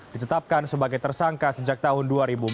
ditetapkan sebagai tersangka sejak tahun dua ribu empat belas